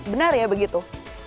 benar ya begitu